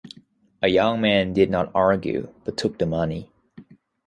A young man did not argue but took the money.